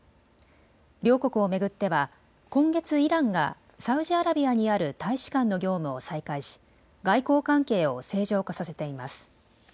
両国を巡っては今月、イランがサウジアラビアにある大使館の業務を再開し外交関係を正常化させています。